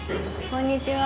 こんにちは。